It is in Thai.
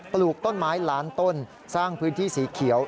ปลูกต้นไม้ล้านต้นสร้างพื้นที่สีเขียว